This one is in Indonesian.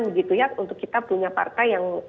begitu ya untuk kita punya partai yang